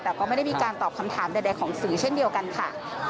แต่ก็ไม่ได้มีการตอบคำถามใดของสื่อเช่นเดียวกันค่ะ